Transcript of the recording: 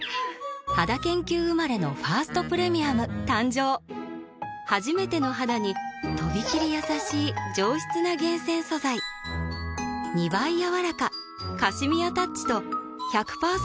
肌研究生まれの「ファーストプレミアム」誕生はじめての肌にとびきりやさしい上質な厳選素材２倍やわらかカシミヤタッチと１００％